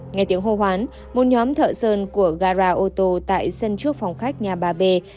nghe tiếng hô hoán một nhóm thợ sơn của gara auto tại sân trước phòng khách nhà bà b